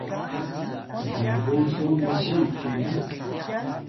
yaya: mgyebu su uzi Kenu!